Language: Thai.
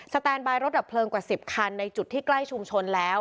แตนบายรถดับเพลิงกว่า๑๐คันในจุดที่ใกล้ชุมชนแล้ว